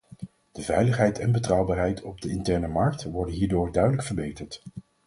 De veiligheid en betrouwbaarheid op de interne markt worden hierdoor duidelijk verbeterd.